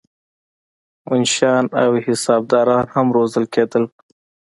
منشیان او حسابداران هم روزل کېدل.